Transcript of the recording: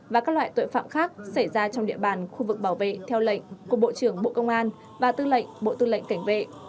và các loại tội phạm khác xảy ra trong địa bàn khu vực bảo vệ theo lệnh của bộ trưởng bộ công an và tư lệnh bộ tư lệnh cảnh vệ